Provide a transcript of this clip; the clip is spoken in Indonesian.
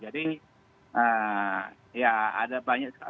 jadi ya ada banyak hal